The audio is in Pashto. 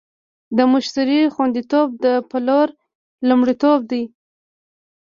د مشتری خوندیتوب د پلور لومړیتوب دی.